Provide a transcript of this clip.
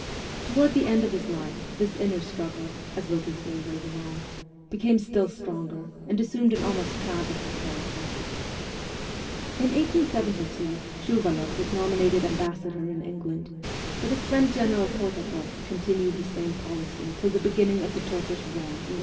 Towards the end of his life this inner struggle, as will be seen later on, became still stronger, and assumed an almost tragical character. In 1872 Shuvaloff was nominated ambassador in England, but his friend General Potapoff continued the same policy till the beginning of the Turkish war in 1877.